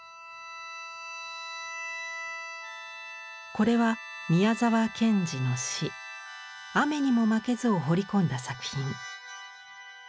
これは宮沢賢治の詩「雨ニモマケズ」を彫り込んだ作品。